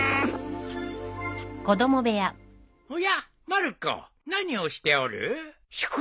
まる子何をしておる？